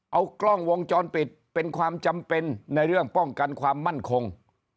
เอากล้องวงจรปิดเป็นความจำเป็นในเรื่องป้องกันความมั่นคง